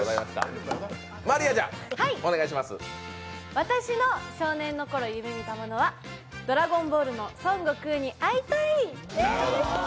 私の少年のころ夢みたものは「ドラゴンボール」の孫悟空に会いたい！です。